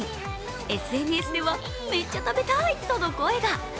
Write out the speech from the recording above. ＳＮＳではめっちゃ食べたい！との声が。